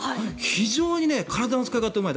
非常に体の使い方がうまい。